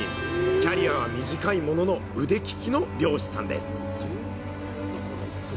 キャリアは短いものの腕利きの漁師さんです